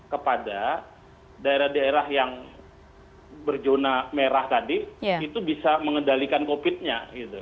kepada daerah daerah yang berjuna merah tadi itu bisa mengendalikan covid nya